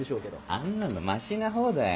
あんなのマシなほうだよ。